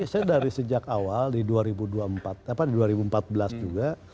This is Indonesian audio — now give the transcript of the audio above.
saya dari sejak awal di dua ribu empat belas juga